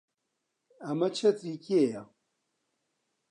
ئەمە چەتری کێیە؟